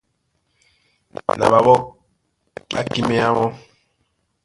Na ɓaɓɔ́ ɓá kíméá mɔ́.